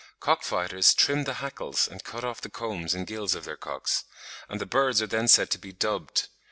Cock fighters trim the hackles and cut off the combs and gills of their cocks; and the birds are then said to be dubbed.